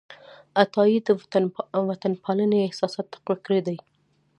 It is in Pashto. عطايي د وطنپالنې احساسات تقویه کړي دي.